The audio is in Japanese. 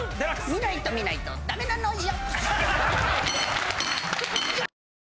見ないと見ないとダメなのよ！